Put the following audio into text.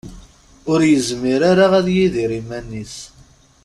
Ur yezmir ara ad yidir iman-is.